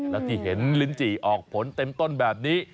แล้วที่เห็นลิ้นจี่ออกผลเต็มต้นแบบนี้